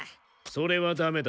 それはダメだ。